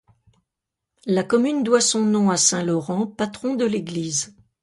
La commune doit son nom à Saint Laurent, patron de l'église.